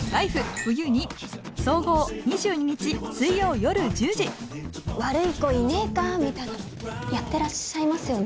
冬．２」総合２２日水曜夜１０時「悪い子いねぇか」みたいなのやってらっしゃいますよね？